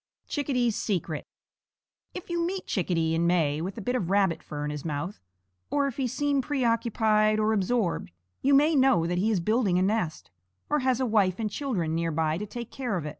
CHICKADEE'S SECRET. If you meet Chickadee in May with a bit of rabbit fur in his mouth, or if he seem preoccupied or absorbed, you may know that he is building a nest, or has a wife and children near by to take care of.